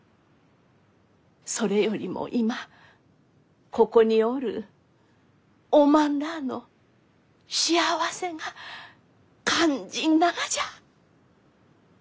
それよりも今ここにおるおまんらあの幸せが肝心ながじゃ。